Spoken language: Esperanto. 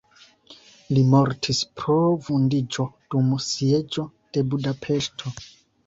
Li mortis pro vundiĝo dum sieĝo de Budapeŝto.